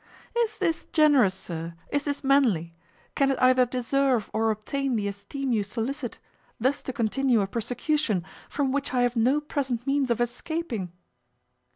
"Is this generous, sir? is this manly? Can it either deserve or obtain the esteem you solicit, thus to continue a persecution from which I have no present means of escaping?"